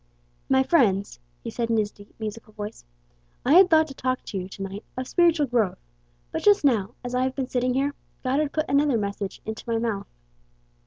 "My friends," he said in his deep, musical voice, "I had thought to talk to you to night of 'spiritual growth,' but just now, as I have been sitting here, God had put another message into my mouth.